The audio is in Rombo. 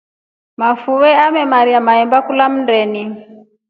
Mafuve amemaama mahemba kulya mndeni.